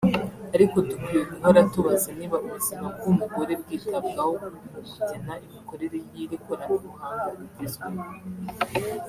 “Ariko dukwiye guhora tubaza niba ubuzima bw’umugore bwitabwaho mu kugena imikorere y’iri koranabuhanga rigezweho